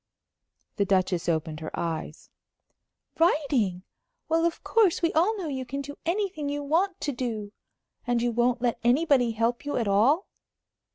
The Duchess opened her eyes. "Writing! Well, of course, we all know you can do anything you want to do. And you won't let anybody help you at all?"